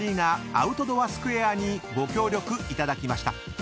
アウトドアスクウェアにご協力いただきました］